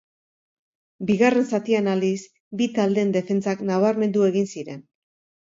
Bigarren zatian, aldiz, bi taldeen defentsak nabarmendu egin ziren.